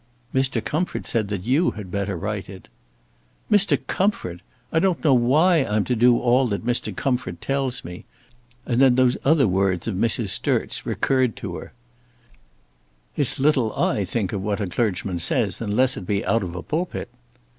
"Mr. Comfort said that you had better write it." "Mr. Comfort! I don't know why I'm to do all that Mr. Comfort tells me," and then those other words of Mrs. Sturt's recurred to her, "It's little I think of what a clergyman says unless it be out of a pulpit."